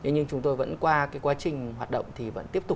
nhưng chúng tôi vẫn qua quá trình hoạt động thì vẫn tiếp tục